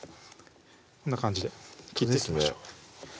こんな感じで切っていきましょう